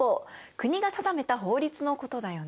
国が定めた法律のことだよね。